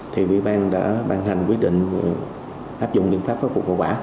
thì vị bang đã ban hành quyết định áp dụng liên pháp phát phục hậu quả